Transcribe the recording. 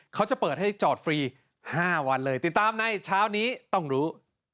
เขาจะเปิดให้จอดฟรี๕วันเลยติดตามในเช้านี้ต้องรู้